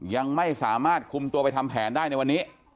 ยังไม่สามารถคุมตัวไปทำแผนได้ในวันนี้